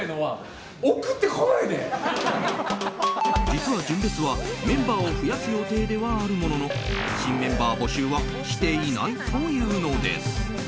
実は純烈は、メンバーを増やす予定ではあるものの新メンバー募集はしていないというのです。